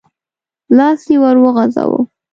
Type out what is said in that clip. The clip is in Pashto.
لاس يې ور وغځاوه.